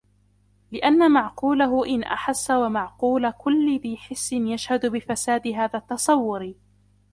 لِأَنَّ مَعْقُولَهُ إنْ أَحَسَّ وَمَعْقُولَ كُلِّ ذِي حِسٍّ يَشْهَدُ بِفَسَادِ هَذَا التَّصَوُّرِ